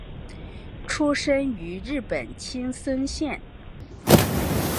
出身于日本青森县。